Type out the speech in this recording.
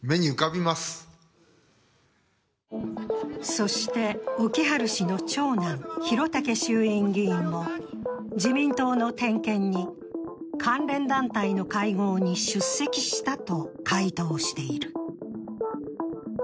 そして、興治氏の長男・宏武衆院議員も自民党の点検に、関連団体の会合に出席したと回答している。